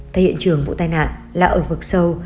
thay hiện trường vụ tai nạn là ở vực sâu